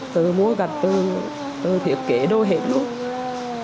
tự mua gạch tự thiết kế đồ hết luôn